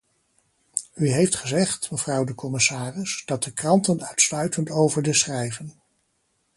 U heeft gezegd mevrouw de commissaris, dat de kranten uitsluitend over de schrijven.